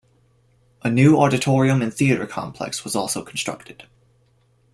A new auditorium and theater complex was also constructed.